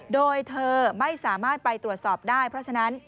โดยเธอไม่สามารถไปตรวจสอบได้เพราะฉะนั้น